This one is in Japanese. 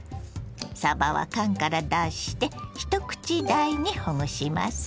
さばは缶から出して１口大にほぐします。